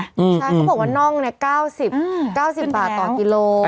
ใช่เขาบอกว่าน่องเนี่ย๙๐บาทต่อกิโลกรัม